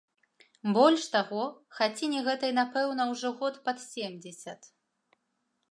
Больш таго, хаціне гэтай, напэўна, ужо год пад семдзесят.